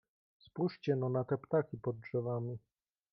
"Spójrzcie no na te ptaki pod drzewami."